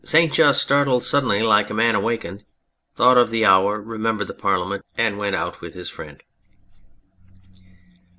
St. Just, startled suddenly like a man awakened, thought of the hour, remembered the Parliament, and went out with his friend.